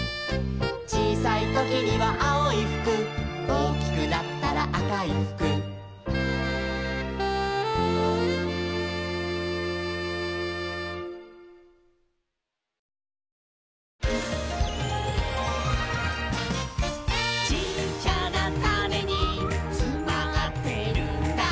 「ちいさいときにはあおいふく」「おおきくなったらあかいふく」「ちっちゃなタネにつまってるんだ」